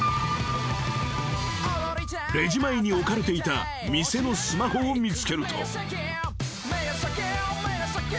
［レジ前に置かれていた店のスマホを見つけると］